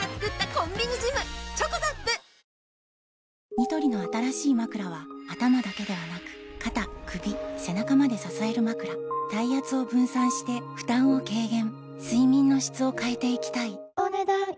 ニトリの新しいまくらは頭だけではなく肩・首・背中まで支えるまくら体圧を分散して負担を軽減睡眠の質を変えていきたいお、ねだん以上。